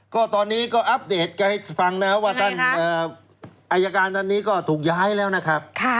ก็ตอนนี้ก็อัปเดตกันให้ฟังนะว่าท่านอายการท่านนี้ก็ถูกย้ายแล้วนะครับ